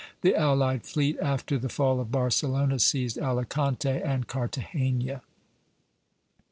The allied fleet, after the fall of Barcelona, seized Alicante and Cartagena.